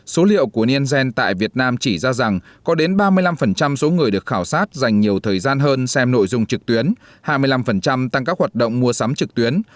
số liệu của nielsen tại việt nam chỉ ra rằng có đến ba mươi năm số người được khảo sát dành nhiều thời gian hơn xem nội dung trực tuyến hai mươi năm tăng các hoạt động mua sắm trực tuyến